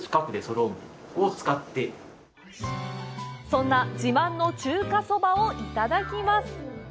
そんな自慢の中華そばをいただきます！